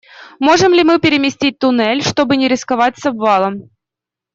Можем ли мы переместить туннель, чтобы не рисковать с обвалом?